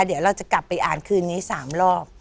เดี๋ยวเราจะกลับคืนนี้๓รอบ